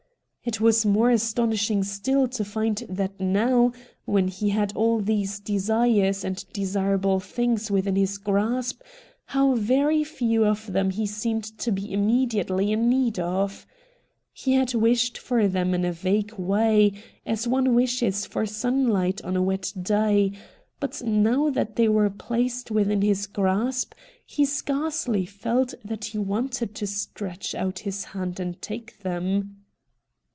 It was more astonishing still to find that now, when he had all these desires A NINE DAYS' WONDER 217 and desirable things within his grasp, how very few of them he seemed to be immediately in need of. He had wished for them in a vague way, as one wishes for sunhght on a wet day, but now that they were placed within his grasp he scarcely felt that he wanted to stretch out his hand and take them.